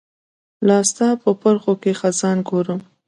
لاستا په پرښوکې خزان ګورم